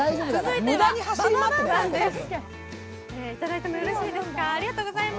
いただいてもよろしいですか。